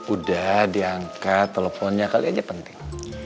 udah diangkat teleponnya kali aja penting